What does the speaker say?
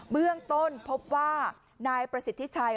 เบื้องต้นพบว่านายประสิทธิชัย